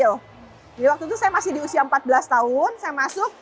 jadi waktu itu saya masih di usia empat belas tahun saya masuk